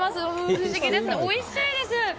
不思議ですね、おいしいです。